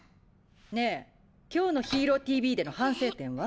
ねぇ今日の「ＨＥＲＯＴＶ」での反省点は？